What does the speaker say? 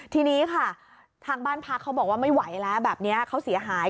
ทีนี้ค่ะทางบ้านพักเขาบอกว่าไม่ไหวแล้วแบบนี้เขาเสียหาย